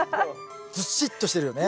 ずしっとしてるよね。